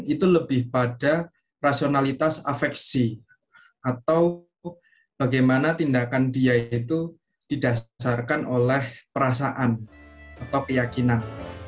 itu lebih pada rasionalitas afeksi atau bagaimana tindakan dia itu didasarkan oleh perasaan atau keyakinan